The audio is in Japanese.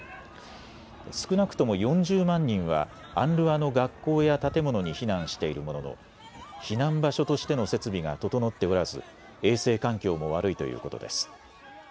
少なくとも４０万人はＵＮＲＷＡの学校や建物に避難しているものの避難場所としての設備が整っておらず衛生環境も悪いということです。